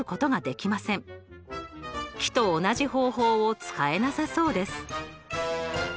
木と同じ方法を使えなさそうです。